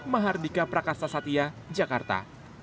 mahardika prakastasatya jakarta